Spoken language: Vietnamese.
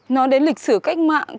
nói đến lịch sử cách mạng